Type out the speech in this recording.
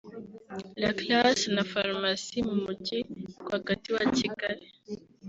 la Classe na Farumasi mu mujyi rwagati wa Kigali